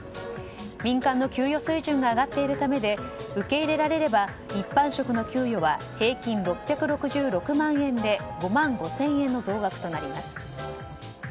民間の給与水準が上がっているためで受け入れられれば一般職の給与は平均６６６万円で５万５０００円の増額となります。